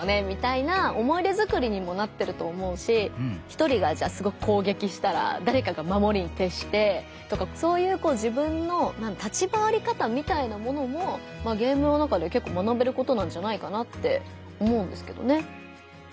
みたいな思い出づくりにもなってると思うし１人がじゃあすごく攻撃したらだれかがまもりにてっしてとかそういうこう自分の立ち回り方みたいなものもゲームの中で結構学べることなんじゃないかなって思うんですけどね。